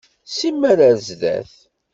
Simmal ar zdat.